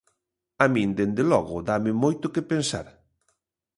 A min dende logo dáme moito que pensar.